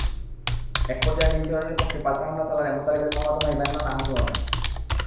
একপর্যায়ে নীলচরণের পক্ষ পাল্টা হামলা চালালে মোতালিবের মামাতো ভাই মান্নান আহত হন।